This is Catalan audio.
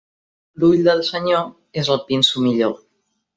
L'ull del senyor és el pinso millor.